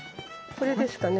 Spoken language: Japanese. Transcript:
これですかね。